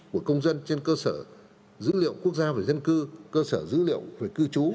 của công dân trên cơ sở dữ liệu quốc gia về dân cư cơ sở dữ liệu về cư trú